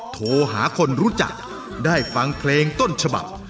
โทรหาคนรู้จักได้ฟังเพลงต้นฉบับ